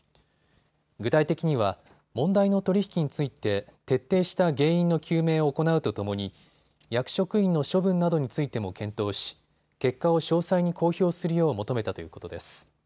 具体的には問題の取り引きについて徹底した原因の究明を行うとともに役職員の処分などについても検討し結果を詳細に公表するよう求めたということです。